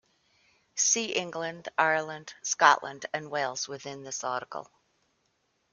See England, Ireland, Scotland and Wales within this article.